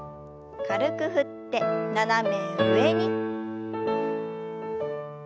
軽く振って斜め上に。